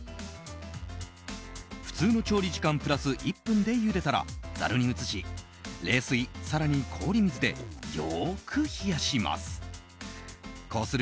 普通の調理時間プラス１分でゆでたらざるに移し、冷水、更に氷水でよく冷やします。